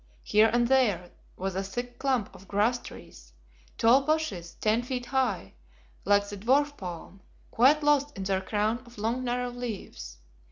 Here and there was a thick clump of "grass trees," tall bushes ten feet high, like the dwarf palm, quite lost in their crown of long narrow leaves.